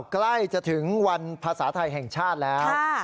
ใกล้จะถึงวันภาษาไทยแห่งชาติแล้ว